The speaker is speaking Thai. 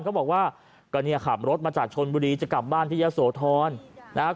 เขาบอกว่าก็เนี่ยขับรถมาจากชนบุรีจะกลับบ้านที่ยะโสธรนะครับ